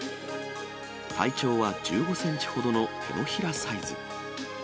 体長は１５センチほどの手のひらサイズ。